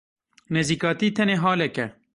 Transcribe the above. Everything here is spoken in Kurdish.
Nêzîkatî tenê halek e.